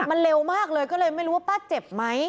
มันเร็วมากเลยก็เลยไม่รู้ว่าป้าเจ็บไหม